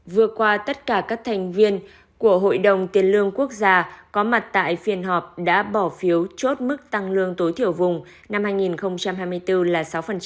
vừa qua tất cả các thành viên của hội đồng tiền lương quốc gia có mặt tại phiên họp đã bỏ phiếu chốt mức tăng lương tối thiểu vùng năm hai nghìn hai mươi bốn là sáu